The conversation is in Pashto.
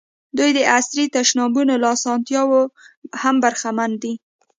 دوی د عصري تشنابونو له اسانتیاوو هم برخمن دي.